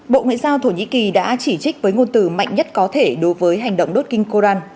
bộ ngoại giao thổ nhĩ kỳ đã chỉ trích với ngôn từ mạnh nhất có thể đối với hành động đốt kinh koran